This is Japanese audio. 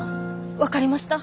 分かりました。